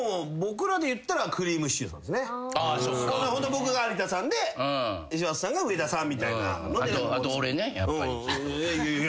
僕が有田さんで柴田さんが上田さんみたいな。